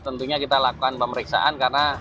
tentunya kita lakukan pemeriksaan karena